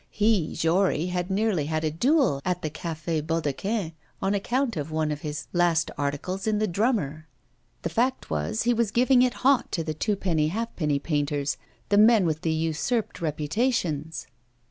He, Jory, had nearly had a duel at the Café Baudequin on account of one of his last articles in 'The Drummer.' The fact was he was giving it hot to the twopenny halfpenny painters, the men with the usurped reputations!